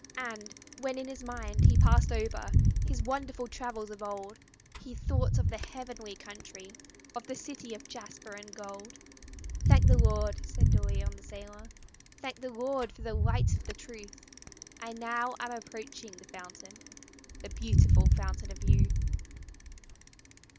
And, when in his mind he passed over His wonderful travels of old, He thought of the heavenly country, Of the city of jasper and gold. "Thank the Lord!" said De Leon, the sailor, "Thank the Lord for the light of the truth, I now am approaching the fountain, The beautiful Fountain of Youth."